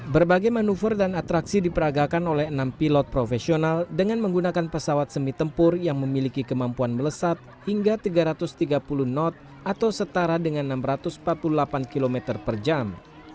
berbagai manuver dan atraksi diperagakan oleh enam pilot profesional dengan menggunakan pesawat semi tempur yang memiliki kemampuan melesat hingga tiga ratus tiga puluh knot atau setara dengan enam ratus empat puluh delapan km per jam